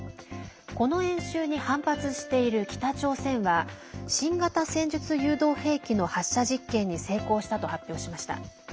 この演習に反発している北朝鮮は新型戦術誘導兵器の発射実験に成功したと発表しました。